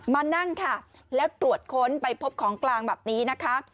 มานั่งค่ะแล้วตรวจค้นไปพบของกลางแบบนี้นะคะ